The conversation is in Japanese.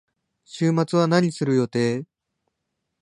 週末は何をする予定？